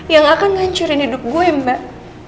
yang akan ngancurin hidup gue mbak